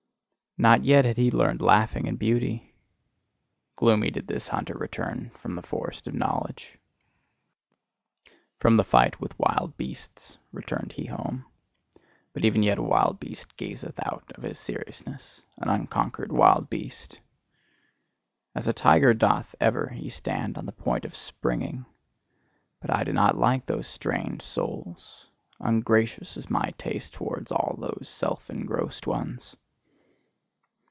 Not yet had he learned laughing and beauty. Gloomy did this hunter return from the forest of knowledge. From the fight with wild beasts returned he home: but even yet a wild beast gazeth out of his seriousness an unconquered wild beast! As a tiger doth he ever stand, on the point of springing; but I do not like those strained souls; ungracious is my taste towards all those self engrossed ones.